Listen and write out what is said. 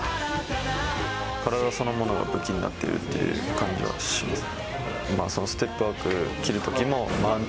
体そのものが武器になっているっていう感じはします。